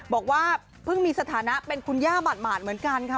บอกว่าเพิ่งมีสถานะเป็นคุณย่าหมาดเหมือนกันค่ะ